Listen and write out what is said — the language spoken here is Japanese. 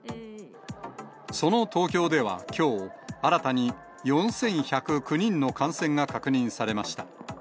その東京ではきょう、新たに４１０９人の感染が確認されました。